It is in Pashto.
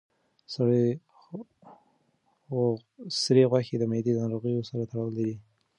سرې غوښه د معدې د ناروغیو سره تړاو لري.